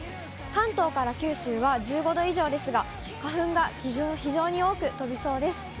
関東から九州は１５度以上ですが、花粉が非常に多く飛びそうです。